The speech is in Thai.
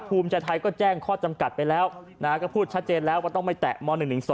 ภูมิใจไทยก็แจ้งข้อจำกัดไปแล้วก็พูดชัดเจนแล้วว่าต้องไม่แตะม๑๑๒